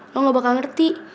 lo gak bakal ngerti